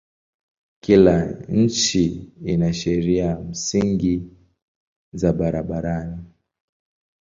Kila nchi ina sheria msingi za barabarani.